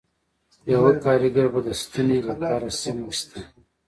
یوه کارګر به د ستنې لپاره سیم ویسته